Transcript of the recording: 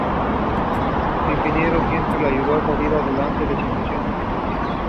Su ingenio siempre la ayudó a salir adelante de situaciones difíciles.